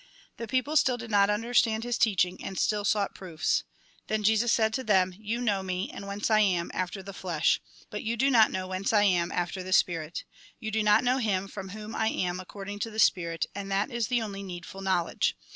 The people still did not understand his teaching, and still sought proofs. Then Jesus said to them :" You know me, and whence I am, after the flesh. But you do not know whence I am, after the spirit. You do not know Him, from whom I am according to the spirit ; and that is the only needful knowledge.